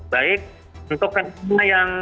baik untuk gerhana yang